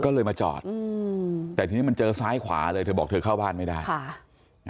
ก็เลยมาจอดอืมแต่ทีนี้มันเจอซ้ายขวาเลยเธอบอกเธอเข้าบ้านไม่ได้ค่ะ